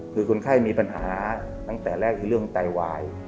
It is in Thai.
คือคนไข้มีปัญหาตั้งแต่แรกคือเรื่องไตวาย